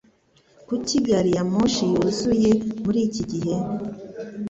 Kuki gari ya moshi yuzuye muri iki gihe?